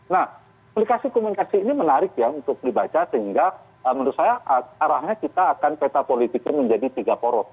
nah komunikasi komunikasi ini menarik ya untuk dibaca sehingga menurut saya arahnya kita akan peta politiknya menjadi tiga poros